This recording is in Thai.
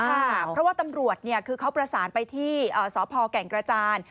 เพราะว่าตำรวจคือเขาประสานไปที่สพแก่งกระจาน